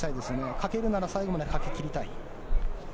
かけるなら最後までかけ切りたい。